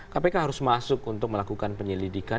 kpk harus masuk untuk melakukan penyelidikan